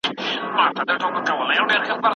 ته دا پرېږده، اوس په لویه لار روان یم